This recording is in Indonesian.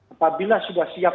apabila sudah siap